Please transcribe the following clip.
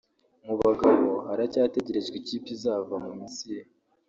Mu bagabo haracyategerejwe ikipe izava mu Misiri